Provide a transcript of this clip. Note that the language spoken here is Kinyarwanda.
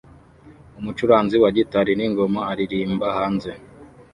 Umucuranzi wa gitari n'ingoma aririmbira hanze